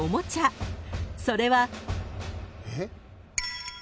［それは］